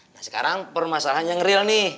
nah sekarang permasalahan yang real nih